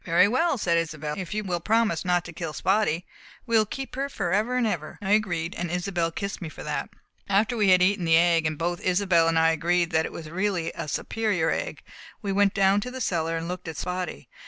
"Very well," said Isobel, "if you will promise not to kill Spotty. We will keep her forever and forever!" I agreed. Isobel kissed me for that. After we had eaten the egg and both Isobel and I agreed that it was really a superior egg we went down cellar and looked at Spotty.